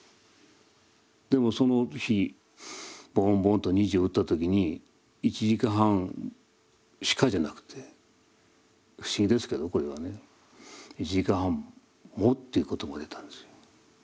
でもその日ボーンボーンと２時を打った時に「１時間半しか」じゃなくて不思議ですけどこれはね。「１時間半も」っていう言葉が出たんですよ。